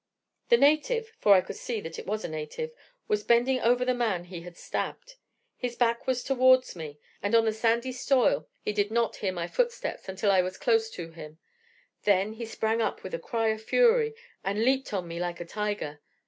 "The native for I could see that it was a native was bending over the man he had stabbed. His back was towards me, and on the sandy soil he did not hear my footsteps until I was close to him; then he sprang up with a cry of fury, and leaped on me like a tiger.